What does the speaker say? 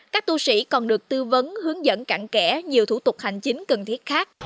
các tu sĩ còn được tư vấn hướng dẫn cạn kẻ nhiều thủ tục hành chính cần thiết khác